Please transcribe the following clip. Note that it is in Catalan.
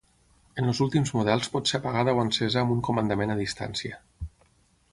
En els últims models pot ser apagada o encesa amb un comandament a distància.